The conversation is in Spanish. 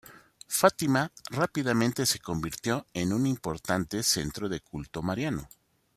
Fátima rápidamente se convirtió en un importante centro de culto mariano.